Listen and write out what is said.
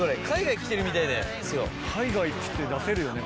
海外っつって出せるよね